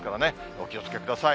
お気をつけください。